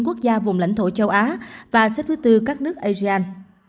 quốc gia vùng lãnh thổ châu á và xếp thứ tư các nước asean